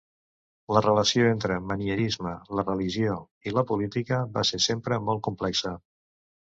La relació entre el manierisme, la religió i la política va ser sempre molt complexa.